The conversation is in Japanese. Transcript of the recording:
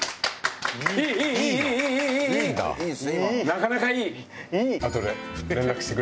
なかなかいい！